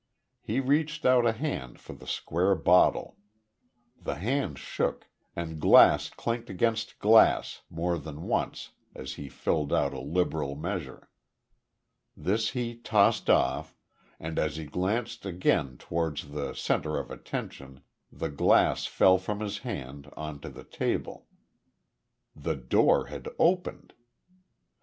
He reached out a hand for the square bottle. The hand shook, and glass clinked against glass more than once as he filled out a liberal measure. This he tossed off, and as he glanced again towards the centre of attention the glass fell from his hand on to the table. The door had opened.